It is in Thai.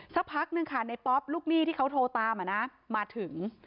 สักพักนึงค่ะในป๊อปลูกหนี้ที่เขาโทรตามมาถึง